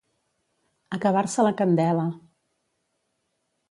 Acabar-se la candela.